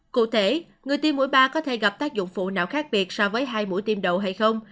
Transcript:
cụ thể người tiêm mũi ba có thể gặp tác dụng phụ nào khác biệt so với hai mũi tiêm đậu hay không